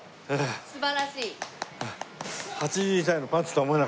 素晴らしい。